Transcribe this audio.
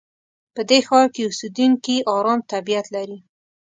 په دې ښار کې اوسېدونکي ارام طبیعت لري.